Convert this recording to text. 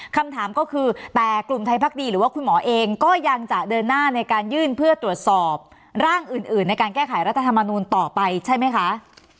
คำถามก็คือแต่กลุ่มไทยพักดีหรือว่าคุณหมอเองก็ยังจะเดินหน้าในการยื่นเพื่อตรวจสอบร่างอื่นในการแก้ไขรัฐธรรมนูลต่อไปใช่ไหมคะ